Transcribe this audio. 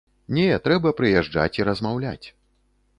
Не, трэба прыязджаць і размаўляць.